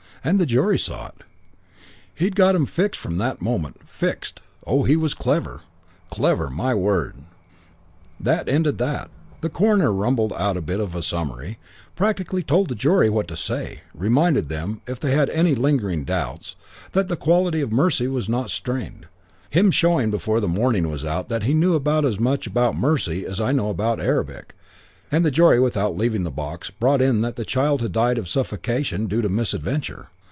And the jury saw it. He'd got 'em fixed from that moment. Fixed. Oh, he was clever clever, my word! "That ended that. The coroner rumbled out a bit of a summary, practically told the jury what to say, reminded them, if they had any lingering doubts, that the quality of mercy was not strained him showing before the morning was out that he knew about as much about mercy as I know about Arabic and the jury without leaving the box brought in that the child had died of suffocation due to misadventure.